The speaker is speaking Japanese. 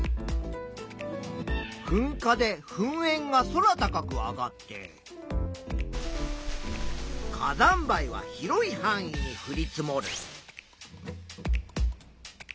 ふんかでふんえんが空高く上がって火山灰は広いはん囲にふり積もる。